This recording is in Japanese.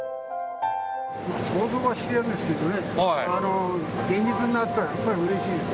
想像はしていたんですけどね、現実になるとやっぱりうれしいです。